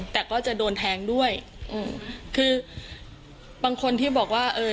แต่ก็จะโดนแทงด้วยอืมคือบางคนที่บอกว่าเออ